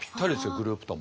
グループとも。